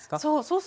そう。